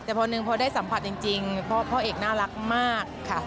แต่พอหนึ่งพอได้สัมผัสจริงพ่อเอกน่ารักมากค่ะ